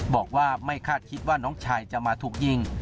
บอกว่าไม่คาดคิดว่าน้องชายจะมาถูกยิง